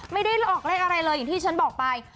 ไม่ได้ออกเลขอะไรเลยอย่างที่ฉันบอกไป